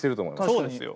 そうですよ。